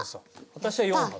私は４発。